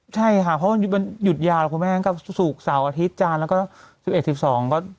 ใช่ค่ะเพราะว่ามันหยุดยาหรอกคุณแม่งก็ศูกสาวอาทิตย์จานแล้วก็๑๑๑๒ก็ยา